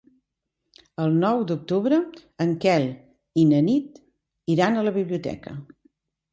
El nou d'octubre en Quel i na Nit iran a la biblioteca.